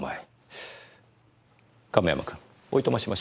亀山君おいとましましょう。